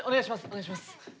お願いします。